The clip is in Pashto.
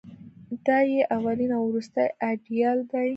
دای یې اولین او وروستۍ ایډیال دی.